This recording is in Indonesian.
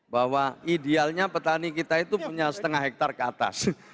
bahwa idealnya petani kita itu punya setengah hektare ke atas